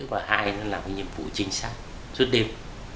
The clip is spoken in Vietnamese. và hai nó làm cái nhiệm vụ chính xác suốt đêm